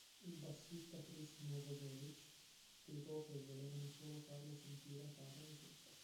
Il bassista Krist Novoselic spiegò che "volevano solo farlo sentire a casa nel gruppo".